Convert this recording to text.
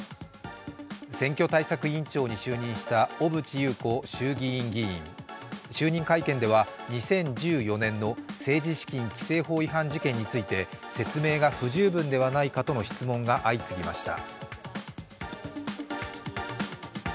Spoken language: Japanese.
選挙対策委員長に就任した小渕優子衆議院議員就任会見では２０１４年の政治資金規正法違反事件について説明が不十分ではないかとの質問が相次ぎました。